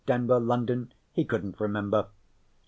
Denver? London? He couldn't remember.